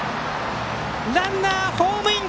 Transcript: ランナー、ホームイン！